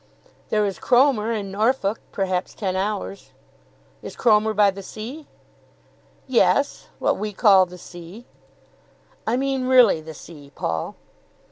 "There is Cromer in Norfolk, perhaps ten hours." "Is Cromer by the sea?" "Yes; what we call the sea." "I mean really the sea, Paul?"